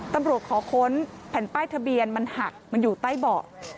ตำรวจขอค้นแผ่นป้ายทะเบียนมันหักมันอยู่ใต้เบาะ